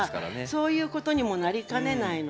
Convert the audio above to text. そういうことにもなりかねないので。